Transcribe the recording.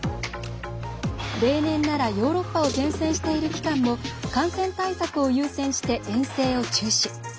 例年ならヨーロッパを転戦している期間も感染対策を優先して遠征を中止。